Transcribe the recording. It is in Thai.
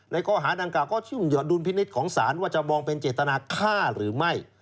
ในก้อหาดังกล่าวก็ยอดดูลพินิษฐ์ของศาลว่าจะมองเป็นเจตนาค่าหรือไม่